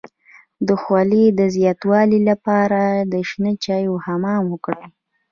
د خولې د زیاتوالي لپاره د شنه چای حمام وکړئ